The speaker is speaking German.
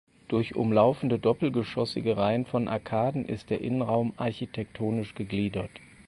Durch umlaufende doppelgeschossige Reihen von Arkaden ist der Innenraum architektonisch gegliedert.